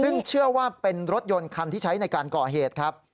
ซึ่งเชื่อว่าเป็นรถยนต์คันที่ใช้ในการก่อเหตุครับ